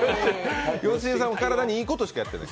よしえさんは体にいいことしかやってない。